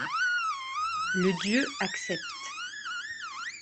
Le dieu accepte.